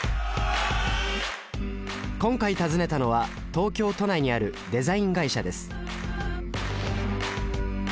今回訪ねたのは東京都内にあるデザイン会社です